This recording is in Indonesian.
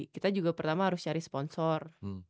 kita juga pertama harus cari sponsor